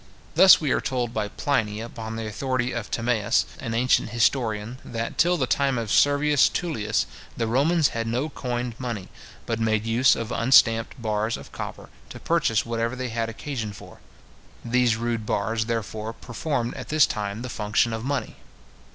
Thus we are told by Pliny (Plin. Hist Nat. lib. 33, cap. 3), upon the authority of Timaeus, an ancient historian, that, till the time of Servius Tullius, the Romans had no coined money, but made use of unstamped bars of copper, to purchase whatever they had occasion for. These rude bars, therefore, performed at this time the function of money.